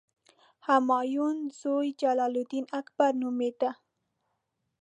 همایون زوی جلال الدین اکبر نومېده.